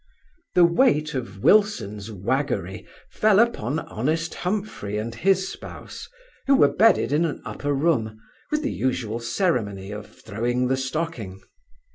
The weight of Wilson's waggery fell upon honest Humphry and his spouse, who were bedded in an upper room, with the usual ceremony of throwing the stocking.